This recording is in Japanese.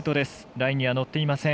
ラインには乗っていません。